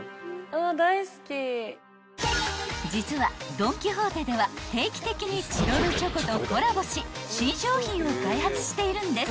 ［実はドン・キホーテでは定期的にチロルチョコとコラボし新商品を開発しているんです］